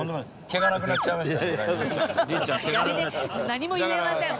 何も言えません